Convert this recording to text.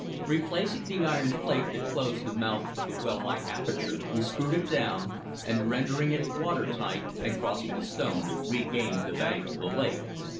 Replacing the iron plate that closed the mouth of the well like aperture, we screwed it down, rendering it water tight, and, crossing the stones, regained the bank of the lake.